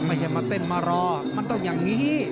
ไม่ใช่มาเต้นมารอมันต้องอย่างนี้